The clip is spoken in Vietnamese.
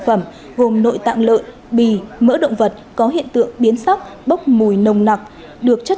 phẩm gồm nội tạng lợn bì mỡ động vật có hiện tượng biến sắc bốc mùi nồng nặc được chất